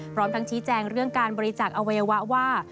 พร้อมทั้งชี้แจงเรื่องการบริจักษ์อวัยวะว่า